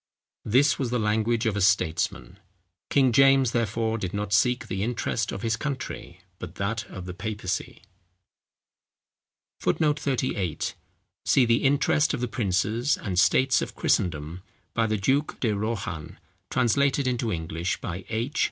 This was the language of a statesman. King James, therefore, did not seek the interest of his country, but that of the papacy. [Footnote 38: See _The Interest of the Princes and States of Christendom, by the Duke De Rohan, translated into English by H.